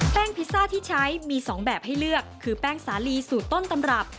พิซซ่าที่ใช้มี๒แบบให้เลือกคือแป้งสาลีสูตรต้นตำรับ